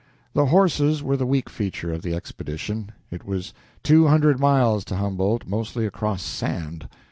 The horses were the weak feature of the expedition. It was two hundred miles to Humboldt, mostly across sand.